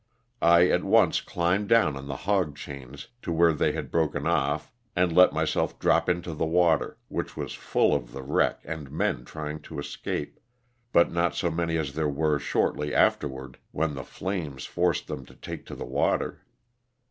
I at once climbed down on the hog chains to where they had been broken off and let myself drop into the water, which was full of the wreck and men trying to escape, but not so many as there were shortly afterward when the flames forced them to take to the water.